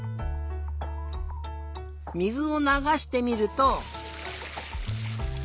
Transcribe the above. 水をながしてみると。